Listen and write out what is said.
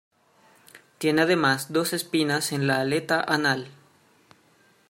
Tienen además dos espinas en la aleta anal.